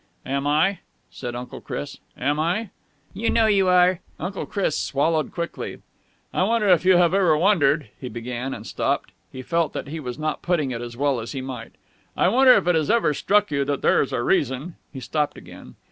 "Am I?" said Uncle Chris. "Am I?" "You know you are!" Uncle Chris swallowed quickly. "I wonder if you have ever wondered," he began, and stopped. He felt that he was not putting it as well as he might. "I wonder if it has ever struck you that there's a reason." He stopped again.